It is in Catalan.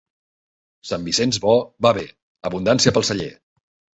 Sant Vicenç bo, va bé, abundància pel celler.